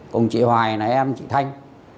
cùng chị hoài này em chị thanh